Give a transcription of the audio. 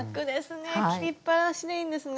切りっぱなしでいいんですね。